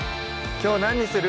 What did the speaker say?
きょう何にする？